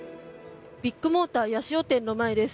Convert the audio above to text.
ビッグモーター八潮店の前です。